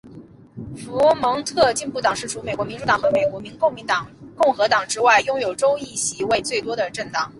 佛蒙特进步党是除美国民主党和美国共和党以外拥有州议席最多的政党。